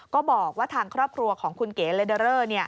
ก็บอกว่าทางครอบครัวของคุณเก๋เลเดอเรอร์